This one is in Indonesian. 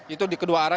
itu di kedua arah